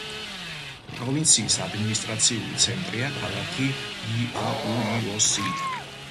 პროვინციის ადმინისტრაციული ცენტრია ქალაქი იაუიოსი.